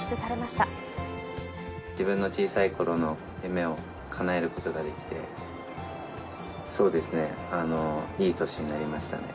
自分の小さいころの夢をかなえることができて、そうですね、いい年になりましたね。